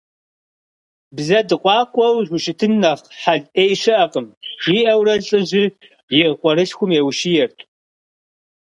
Бзэ дыкъуакъуэу ущытын нэхъ хьэл Ӏей щыӀэкъым, – жиӀэурэ лӀыжьыр и къуэрылъхум еущиерт.